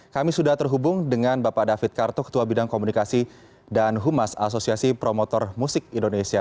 kami sudah terhubung dengan bapak david kartu ketua bidang komunikasi dan humas asosiasi promotor musik indonesia